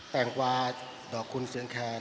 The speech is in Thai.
แงงกวาดอกคุณเสียงแคน